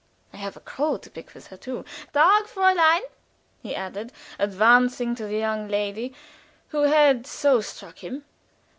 "I've a crow to pluck with her too. Tag, Fräulein!" he added, advancing to the young lady who had so struck him.